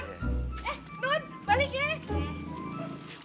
eh nun balik ya